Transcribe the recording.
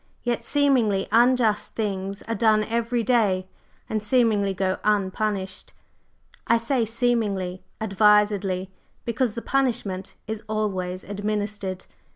Yet seemingly unjust things are done every day, and seemingly go unpunished. I say 'seemingly' advisedly, because the punishment is always administered.